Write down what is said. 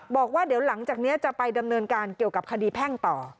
บอกว่าเดี๋ยวหลังจากนี้จะไปดำเนินการเกี่ยวกับคดีแพ่งต่อ